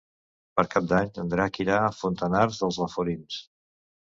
Per Cap d'Any en Drac irà a Fontanars dels Alforins.